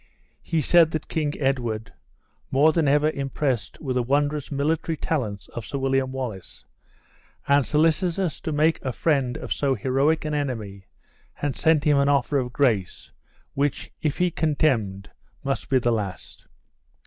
He said that King Edward, more than ever impressed with the wondrous military talents of Sir William Wallace, and solicitous to make a friend of so heroic an enemy, had sent him an offer of grace, which, if he contemned, must be the last.